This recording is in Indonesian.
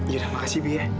yaudah makasih bi ya